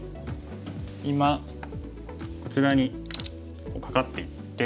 今こちらにカカっていって。